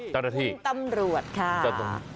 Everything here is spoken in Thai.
จ้านนาธิคุณตำรวจค่ะจ้านนาธิ